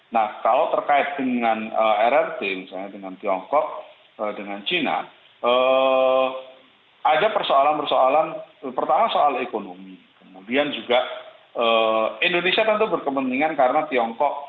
nah kalau terkait dengan rrt misalnya dengan tiongkok dengan china ada persoalan persoalan pertama soal ekonomi kemudian juga indonesia tentu berkepentingan karena tiongkok